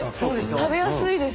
食べやすいです。